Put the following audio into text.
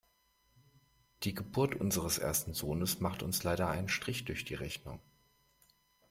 Die Geburt unseres ersten Sohnes macht uns leider einen Strich durch die Rechnung.